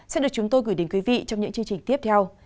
sẽ được chúng tôi gửi đến quý vị trong những chương trình tiếp theo